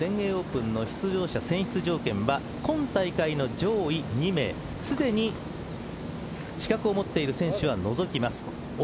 ご覧のように２０２１年全英オープンの出場者選出条件は今大会の上位２名既に資格を持っている選手は除きます。